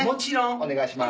お願いします」